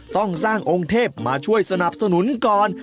ต้องสร้างองค์เทพมาช่วยสนับสนุนก่อน